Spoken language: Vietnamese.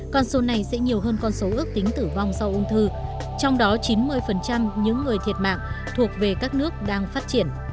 con số này sẽ nhiều hơn con số ước tính tử vong do ung thư trong đó chín mươi những người thiệt mạng thuộc về các nước đang phát triển